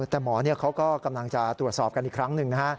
แต่หมอเขาก็กำลังจะตรวจสอบกันอีกครั้งหนึ่งนะฮะ